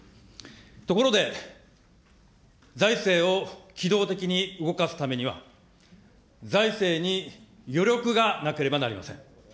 ところで、財政を機動的に動かすためには、財政に余力がなければなりません。